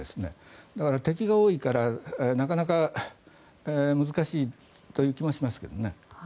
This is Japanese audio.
だから敵が多いから、なかなか難しいという気もしますけどね。